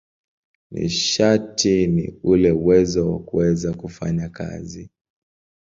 Nishati ni ule uwezo wa kuweza kufanya kazi.